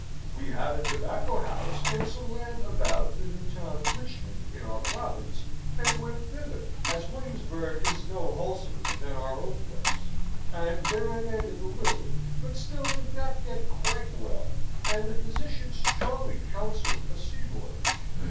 We have a tobacco house and some land about the new town of Richmond, in our province, and went thither, as Williamsburg is no wholesomer than our own place; and there I mended a little, but still did not get quite well, and the physicians strongly counselled a sea voyage.